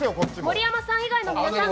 盛山さん以外の皆さん